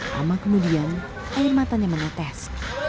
lama kemudian air matanya menetes